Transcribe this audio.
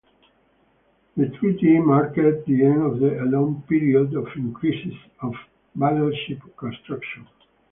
The treaty marked the end of a long period of increases of battleship construction.